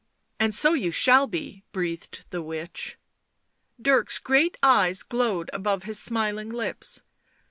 " And so you shall be," breathed the witch. Dirk's great eyes glowed above his smiling lips.